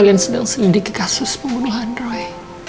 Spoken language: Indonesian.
kalian sedang selidiki kasus pembunuhan roy